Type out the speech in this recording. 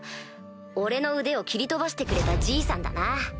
俺の腕を切り飛ばしてくれた爺さんだな？